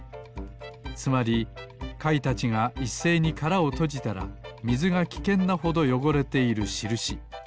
つまりかいたちがいっせいにからをとじたらみずがきけんなほどよごれているしるし。